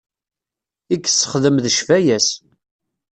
I yessexdem d ccfaya-s.